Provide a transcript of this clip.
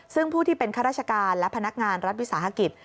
ซึ่งผู้ที่เป็นข้าราชการและพนักงานรัฐวิสาหกิจ